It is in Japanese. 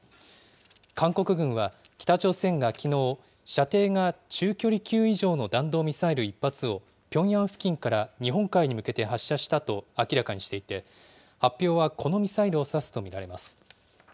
韓国軍は北朝鮮がきのう、射程が中距離級以上の弾道ミサイル一発をピョンヤン付近から日本海に向けて発射したと明らかにしていて、発表はこのミサイルをさすと見られます。